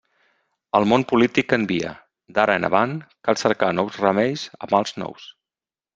El món polític canvia; d'ara en avant cal cercar nous remeis a mals nous.